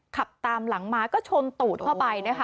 ขับตามหลังมาก็ชนตูดเข้าไปนะคะ